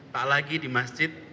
tak lagi di masjid